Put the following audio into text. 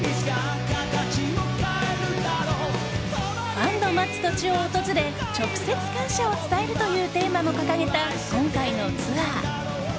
ファンの待つ土地を訪れ直接、感謝を伝えるというテーマも掲げた今回のツアー。